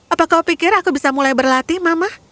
apa kau pikir aku bisa mulai berlatih mama